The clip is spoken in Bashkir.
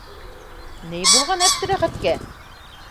Ни булған Әптеләхәткә?!